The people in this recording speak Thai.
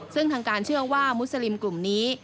ซึ่งทางการเชื่อว่ามุสลิมกลุ่มนี้